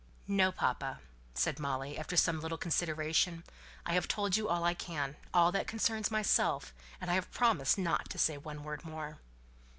"No, papa!" said Molly, after some little consideration; "I have told you all I can tell; all that concerns myself; and I have promised not to say one word more."